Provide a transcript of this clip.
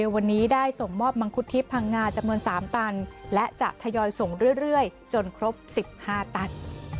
วันนี้ได้ส่งมอบมังคุดทิพย์พังงาจำนวน๓ตันและจะทยอยส่งเรื่อยจนครบ๑๕ตัน